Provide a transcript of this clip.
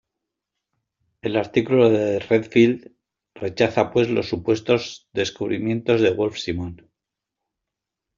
El artículo de Redfield rechaza pues los supuestos descubrimientos de Wolfe-Simon.